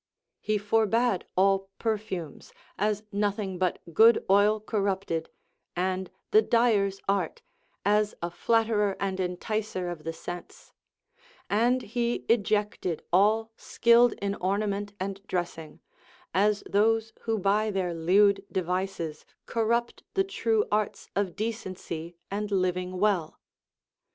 He forbade all perfumes, as nothing but good oil corrupted, and the dyer's art, as a flatterer and enticer of the sensis ; and he ejected all skilled in ornament and dressing, as those who by their lewd de vices corrupt the true arts of decency and living well.